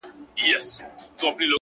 د خدای د نور جوړو لمبو ته چي سجده وکړه;